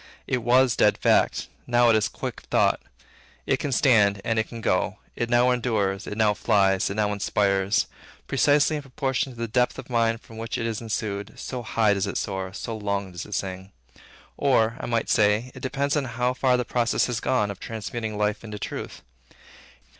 It was dead fact; now, it is quick thought. It can stand, and it can go. It now endures, it now flies, it now inspires. Precisely in proportion to the depth of mind from which it issued, so high does it soar, so long does it sing. Or, I might say, it depends on how far the process had gone, of transmuting life into truth.